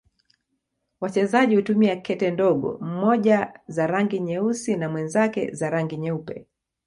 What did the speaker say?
Wachezaji hutumia kete ndogo, mmoja za rangi nyeusi na mwenzake za rangi nyeupe.